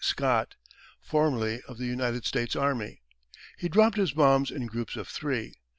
Scott, formerly of the United States Army. He dropped his bombs in groups of three.